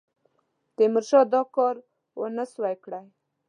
تیمورشاه دا کار ونه سو کړای.